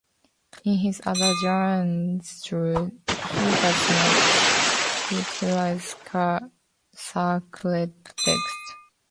In his other genres, though, he does not utilize sacred texts.